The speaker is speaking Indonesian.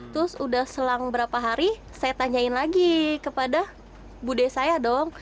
terus sudah selang beberapa hari saya tanyain lagi kepada budaya saya